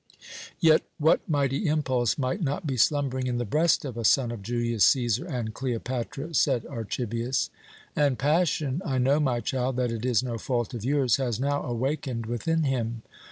"Yet what mighty impulse might not be slumbering in the breast of a son of Julius Cæsar and Cleopatra?" said Archibius. "And passion I know, my child, that it is no fault of yours has now awakened within him.